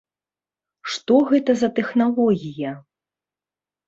Што гэта за тэхналогія?